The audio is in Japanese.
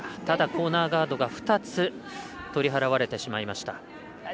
ただ、コーナーガードが２つ取り払われてしまいました。